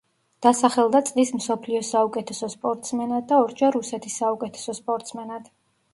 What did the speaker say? დასახელდა წლის მსოფლიოს საუკეთესო სპორტსმენად და ორჯერ რუსეთის საუკეთესო სპორტსმენად.